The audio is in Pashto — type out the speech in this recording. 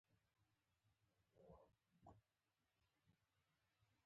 • شتمن سړی باید د خپل مال حساب وکړي.